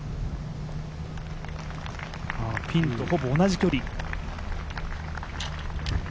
ピンとほぼ同じ距離。